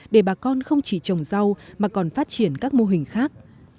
để bà con không chỉ trồng rau mà còn phát triển các mô hình khác